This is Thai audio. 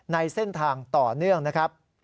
ในเส้นทางต่อเนื่องนะครับ